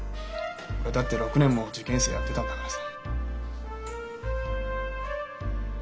俺だって６年も受験生やってたんだからさ。